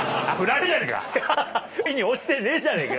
恋に落ちてねえじゃねぇか。